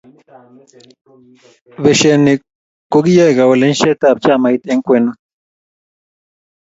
beshe ni, ko kiyoe kalewenisietab chamait eng' kwenut.